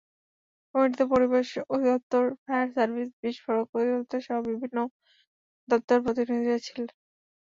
কমিটিতে পরিবেশ অধিদপ্তর, ফায়ার সার্ভিস, বিস্ফোরক অধিদপ্তরসহ বিভিন্ন দপ্তরের প্রতিনিধিরা ছিলেন।